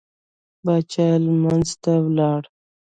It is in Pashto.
پاچا لمانځه ته ولاړل.